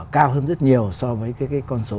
cao hơn rất nhiều so với cái con số